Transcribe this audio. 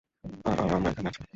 আর আমরা এখানে আছি।